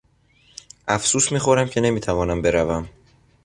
افسوس میخورم که نمیتوانم بروم.